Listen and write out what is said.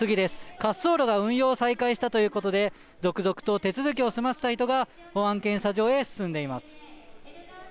滑走路が運用再開したということで、続々と手続きを済ませた人が保安検査場へ進んでいます。